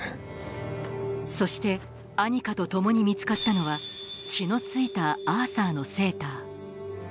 そしてアニカとともに見つかったのは血の付いたアーサーのセーター